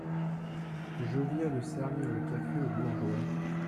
Je viens de servir le café aux bourgeois !